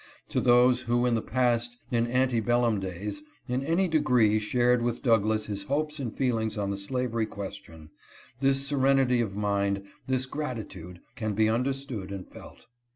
To those, who in the past — in ante bellum days — in any degree shared with Douglass his hopes and feelings on the slavery question, this serenity of mind, this gratitude, can be under stood and felt.